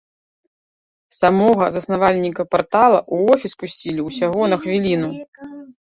Самога заснавальніка партала ў офіс пусцілі ўсяго на хвіліну.